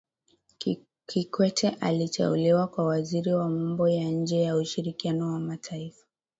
kikwete aliteuliwa kuwa waziri wa mambo ya nje na ushirikiano wa mataifa